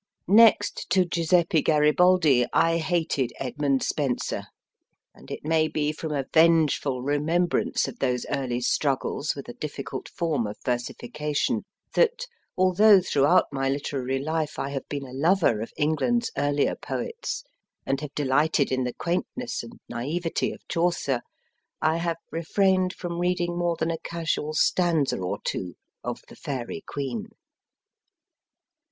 Next to Giuseppe Garibaldi I hated Edmund Spenser, and it may be from a vengeful remembrance of those early struggles with a difficult form of versification, that, although throughout my literary life I have been a lover of England s earlier poets, and have delighted in the quaintness M. E. BR ADDON 121 and naivete of Chaucer, I have refrained from reading more than a casual stanza or two of the Faery Queen.